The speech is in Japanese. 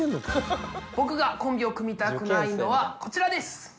僕がコンビを組みたくないのはこちらです。